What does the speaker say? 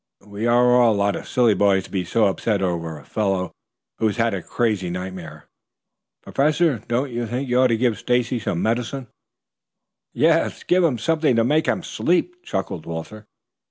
"We are a lot of silly boys to be so upset over a fellow who has had a crazy nightmare. Professor, don't you think you ought to give Stacy some medicine?" "Yes, give him something to make him sleep," chuckled Walter.